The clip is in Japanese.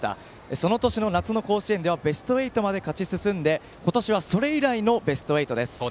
その年の夏の甲子園ではベスト８まで勝ち進んで今年はそれ以来のベスト８です。